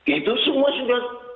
itu semua sudah